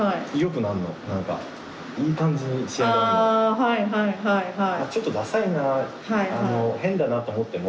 はいはいはいはい。